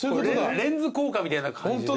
レンズ効果みたいな感じで。